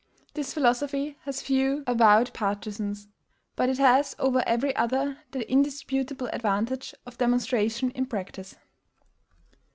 This philosophy has few avowed partisans; but it has over every other the indisputable advantage of demonstration in practice.